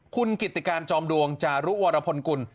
คุณกิติการจอมดวงจารุวรพลกุล